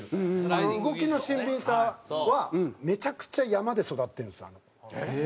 あの動きの俊敏さはめちゃくちゃ山で育ってるんです周東って。